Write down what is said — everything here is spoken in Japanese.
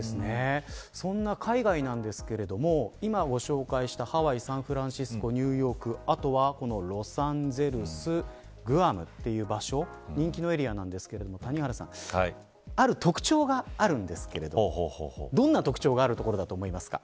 そんな海外なんですけども今ご紹介したハワイ、サンフランシスコニューヨークあとはロサンゼルス、グアムという場所人気のエリアなんですが谷原さん、ある特徴があるんですけれどもどんな特徴があるところだと思いますか。